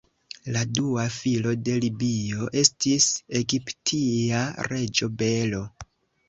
La dua filo de Libio estis egiptia reĝo Belo.